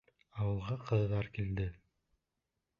АУЫЛҒА ҠЫҘҘАР КИЛДЕ